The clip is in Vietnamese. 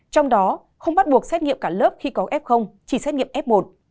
trong đó không bắt buộc xét nghiệm cả lớp khi có f chỉ xét nghiệm f một